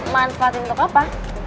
manfaatin untuk apa